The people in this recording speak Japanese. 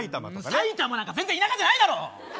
埼玉なんか全然田舎じゃないだろ！